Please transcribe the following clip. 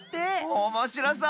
おもしろそう！